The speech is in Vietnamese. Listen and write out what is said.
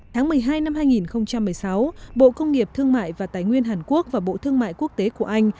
tháng một mươi hai năm hai nghìn một mươi sáu bộ công nghiệp thương mại và tài nguyên hàn quốc và bộ thương mại quốc tế của anh